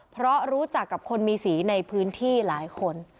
เพราะรู้จักกับคนมีสีในพื้นที่หลายคน